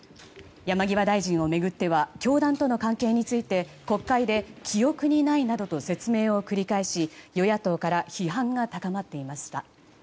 山際大臣を巡っては教団との関係について国会で記憶にないなどと説明を繰り返し与野党から批判が高まっていました。